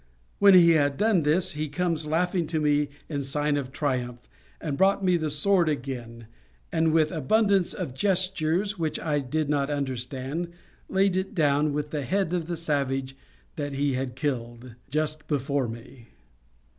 When he had done this, he comes laughing to me in sign of triumph, and brought me the sword again, and, with abundance of gestures which I did not understand, laid it down, with the head of the savage that he had killed, just before me.